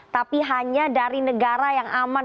tapi hanya dari negara yang aman